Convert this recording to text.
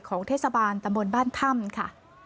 เทศบาลตำบลบ้านถ้ำค่ะ